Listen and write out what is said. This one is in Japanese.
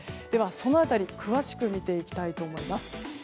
では、その辺り詳しく見ていきたいと思います。